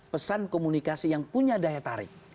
pesan komunikasi yang punya daya tarik